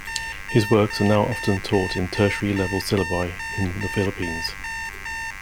His works are now often taught in tertiary-level-syllabi in the Philippines.